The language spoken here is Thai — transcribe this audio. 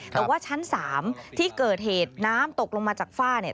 แต่ว่าชั้น๓ที่เกิดเหตุน้ำตกลงมาจากฝ้าเนี่ย